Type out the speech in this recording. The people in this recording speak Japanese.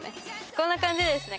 こんな感じでですね